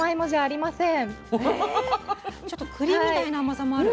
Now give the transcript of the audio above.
ちょっと栗みたいな甘さもある。